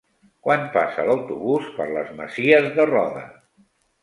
Quan passa l'autobús per les Masies de Roda?